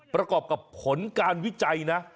ประกอบกับผลการวิจัยนะ